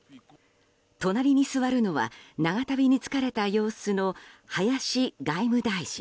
隣に座るのは長旅に疲れた様子の林外務大臣。